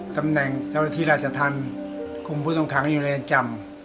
ตำแหน่งเจ้าหน้าที่ราชธรรมคุมผู้ต้องขังอยู่ในเรือนจำ